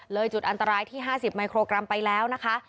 จุดอันตรายที่๕๐มิโครกรัมไปแล้วนะคะ